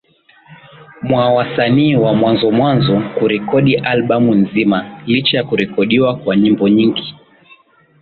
mwa wasanii wa mwanzo mwanzo kurekodi albamu nzima Licha ya kurekodiwa kwa nyimbo nyingi